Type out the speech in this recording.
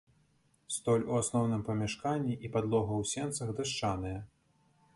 Столь у асноўным памяшканні і падлога ў сенцах дашчаныя.